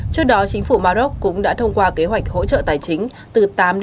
trước đó chính phủ maroc cũng đã thông qua kế hoạch hỗ trợ tài chính từ tám một mươi bốn usd